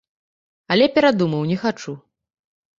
Але перадумаў, не хачу.